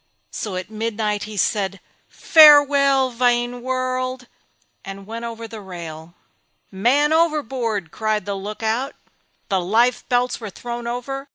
So at midnight he said "Farewell vain world" and went over the rail. "Man overboard!" cried the Lookout. The life belts were thrown over.